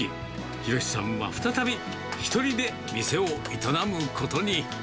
弘さんは再び、１人で店を営むことに。